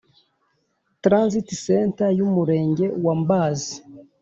Transit Center y Umurenge wa Mbazi